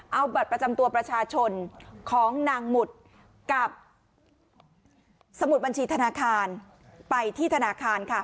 เอาบัตรประจำตัวประชาชนของนางหมุดกับสมุดบัญชีธนาคารไปที่ธนาคารค่ะ